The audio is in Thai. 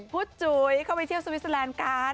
จุ๋ยเข้าไปเที่ยวสวิสเตอร์แลนด์กัน